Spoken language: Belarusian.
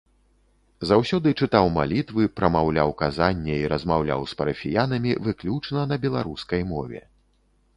Заўсёды чытаў малітвы, прамаўляў казання і размаўляў з парафіянамі выключна на беларускай мове.